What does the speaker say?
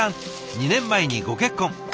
２年前にご結婚。